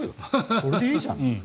それでいいじゃんと。